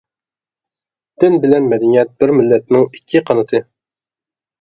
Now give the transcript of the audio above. دىن بىلەن مەدەنىيەت بىر مىللەتنىڭ ئىككى قانىتى.